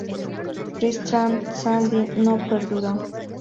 Tristram Shandy no perduró".